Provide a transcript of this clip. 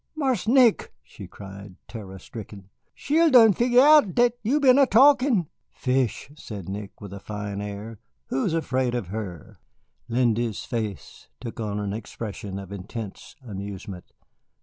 "Marse Nick!" she cried, terror stricken, "she'll done fin' out dat you've been er talkin'." "Pish!" said Nick with a fine air, "who's afraid of her?" Lindy's face took on an expression of intense amusement.